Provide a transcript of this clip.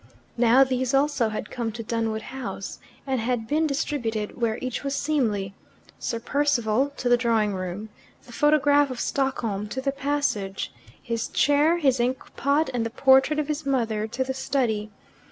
Now these also had come to Dunwood House, and had been distributed where each was seemly Sir Percival to the drawing room, the photograph of Stockholm to the passage, his chair, his inkpot, and the portrait of his mother to the study.